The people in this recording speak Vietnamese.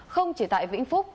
không chỉ tại vĩnh phúc